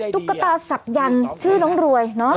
ตุ๊กตาศักยันต์ชื่อน้องรวยเนอะ